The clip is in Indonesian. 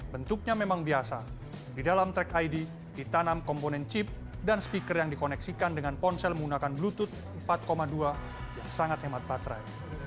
bentuknya memang biasa di dalam track id ditanam komponen chip dan speaker yang dikoneksikan dengan ponsel menggunakan bluetooth empat dua yang sangat hemat baterai